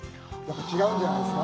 違うんじゃないですか。